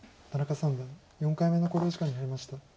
田中三段４回目の考慮時間に入りました。